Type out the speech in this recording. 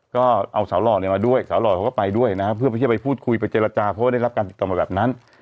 ก็เอาสาวหล่อเนี่ยมาด้วยสาวหล่อเขาก็ไปด้วยนะเพื่อที่จะไปพูดคุยไปเจรจาเพราะว่าได้รับการติดต่อมาแบบนั้น